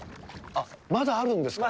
まだあるんですか？